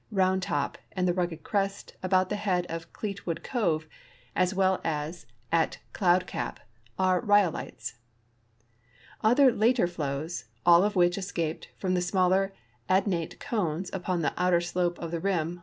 Round Top, and the Rugged Crest about the head of Cleetwood cove, as well as at Cloud Cap, are rhyolites. Other later flows, all of which escaped from the smaller adnate cones \x\)o\\ the outer slope of the rim.